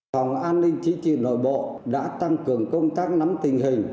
phòng an ninh chính trị nội bộ đã tăng cường công tác nắm tình hình